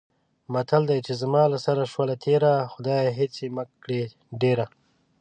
متل دی: چې زما له سره شوله تېره، خدایه هېڅ یې مه کړې ډېره.